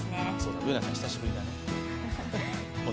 Ｂｏｏｎａちゃん、久しぶりだね。